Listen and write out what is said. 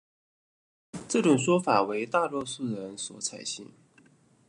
这种说法为大多数人所采信。